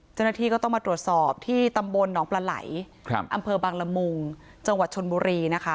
เจ้าหน้าที่ก็ต้องมาตรวจสอบที่ตำบลหนองปลาไหลอำเภอบังละมุงจังหวัดชนบุรีนะคะ